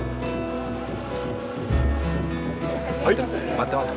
待ってます。